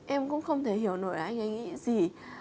em cũng không thể hiểu nổi là anh ấy nghĩ gì